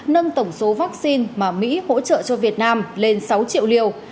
nâng tổng số vaccine mà mỹ hỗ trợ cho việt nam lên sáu triệu liều